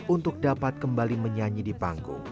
untuk dapat kembali menyanyi di panggung